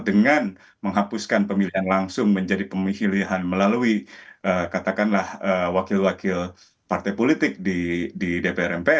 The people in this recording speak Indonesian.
dengan menghapuskan pemilihan langsung menjadi pemilihan melalui katakanlah wakil wakil partai politik di dpr mpr